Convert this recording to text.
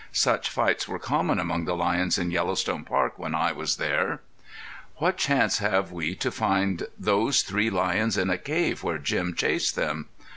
Such fights were common among the lions in Yellowstone Park when I was there." "What chance have we to find those three lions in a cave where Jim chased them?"